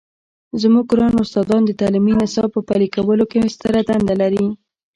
زموږ ګران استادان د تعلیمي نصاب په پلي کولو کې ستره دنده لري.